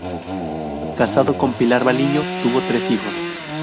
Casado con Pilar Valiño, tuvo tres hijos.